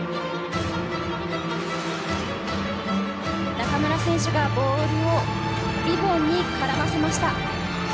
中村選手がボールをリボンに絡ませました。